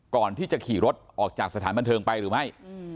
ก่อนที่จะขี่รถออกจากสถานบันเทิงไปหรือไม่